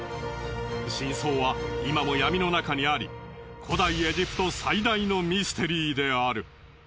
真相は今も闇のなかにあり古代エジプト最大のミステリーである。